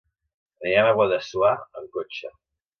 Anirem a Guadassuar amb cotxe.